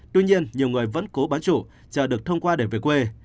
tuy nhiên nhiều người vẫn cố bán trụ chờ được thông qua để về quê